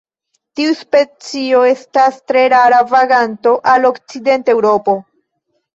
Tiu specio estas tre rara vaganto al okcidenta Eŭropo.